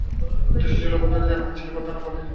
উদ্দেশ্য ছিল ঐক্যবদ্ধভাবে ছাত্ররা যেন মিছিল করতে না পারেন।